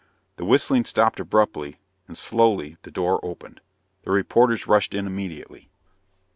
The whistling stopped abruptly and, slowly, the door opened. The reporters rushed in immediately.